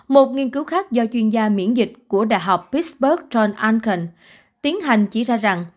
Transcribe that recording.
một nghiên cứu khác do chuyên gia miễn dịch của đại học pittsburgh john anken tiến hành chỉ ra rằng